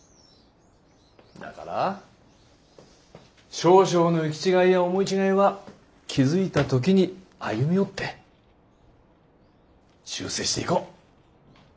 だから少々の行き違いや思い違いは気付いた時に歩み寄って修正していこう。